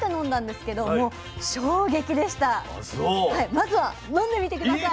まずは飲んでみて下さい。